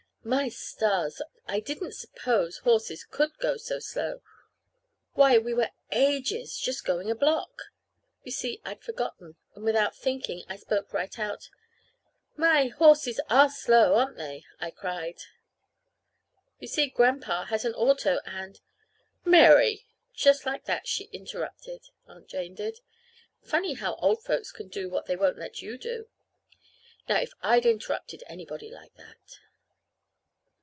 My stars! I didn't suppose horses could go so slow. Why, we were ages just going a block. You see I'd forgotten; and without thinking I spoke right out. "My! Horses are slow, aren't they?" I cried. "You see, Grandpa has an auto, and " "Mary!" just like that she interrupted Aunt Jane did. (Funny how old folks can do what they won't let you do. Now if I'd interrupted anybody like that!)